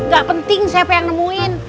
gak penting siapa yang nemuin